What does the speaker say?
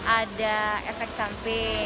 ada efek sampel